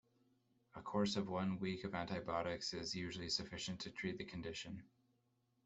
A course of one week of antibiotics is usually sufficient to treat the condition.